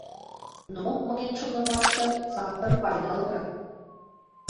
Но, мыйын шонымаште, сакыр пайдалырак.